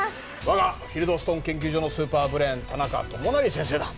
わがフィルドストン研究所のスーパーブレーン田中友也先生だ。